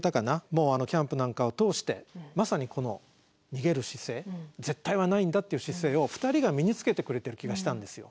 もうキャンプなんかを通してまさにこの逃げる姿勢絶対はないんだっていう姿勢を２人が身につけてくれてる気がしたんですよ。